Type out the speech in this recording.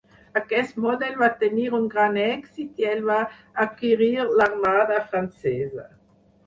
Aquest model va tenir un gran èxit i el va adquirir l'armada francesa.